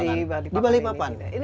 khusus di balikpapan ini